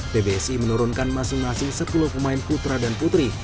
pbsi menurunkan masing masing sepuluh pemain putra dan putri